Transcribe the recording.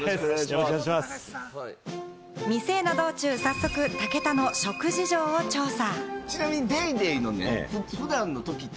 店への道中、早速武田の食事情を調査。